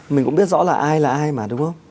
mình cũng biết rõ là ai là ai mà đúng không